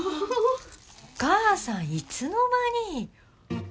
お母さんいつの間に！